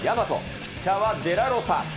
ピッチャーはデラロサ。